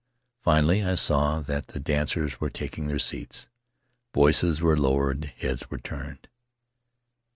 Finally I saw that the dancers were taking their seats; voices were lowered, heads were turned.